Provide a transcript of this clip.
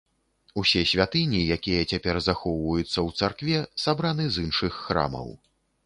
Усе святыні, якія цяпер захоўваюцца ў царкве, сабраны з іншых храмаў.